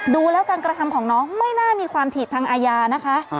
ดูแล้วการกระทำของน้องไม่น่ามีความผิดทางอาญานะคะ